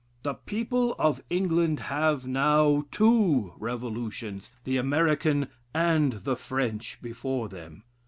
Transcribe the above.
The people of England have now two Revolutions, the American and the French before them.